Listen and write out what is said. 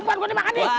upan gua dimakan nih